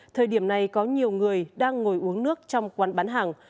thời điểm này có nhiều người đang ngồi uống nước trong quán bán hàng